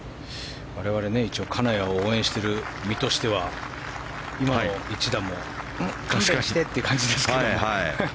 我々、金谷を応援している身としては今の１打もどうにかしてって感じですけど。